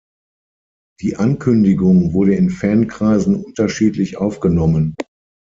Die Ankündigung wurde in Fankreisen unterschiedlich aufgenommen.